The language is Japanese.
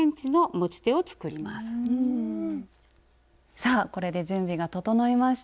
さあこれで準備が整いました。